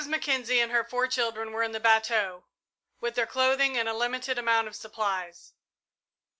Mackenzie and her four children were in the bateau, with their clothing and a limited amount of supplies.